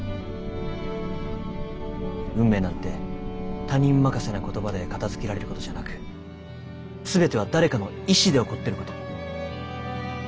運命なんて他人任せな言葉で片づけられることじゃなく全ては誰かの意志で起こってること。